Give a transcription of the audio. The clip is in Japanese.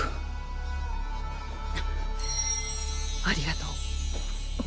ありがとう。